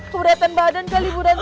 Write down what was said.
keberatan badan kali bu ranti